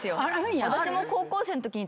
私も高校生のときに。